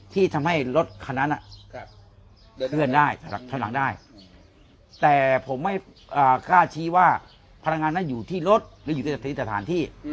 ที่ทำให้รถคันนั้นเคลื่อนได้ถอยหลังได้แต่ผมไม่กล้าชี้ว่าพลังงานนั้นอยู่ที่รถหรืออยู่ในสถานที่